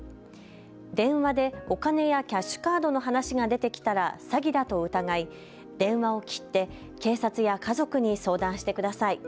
電話でお金やキャッシュカードの話が出てきたら詐欺だと疑い電話を切って警察や家族に相談してください。